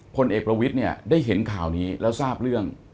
พลเอกประวิทย์เนี่ยได้เห็นข่าวนี้แล้วทราบเรื่อง